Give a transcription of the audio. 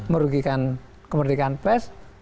merugikan kemerdekaan pers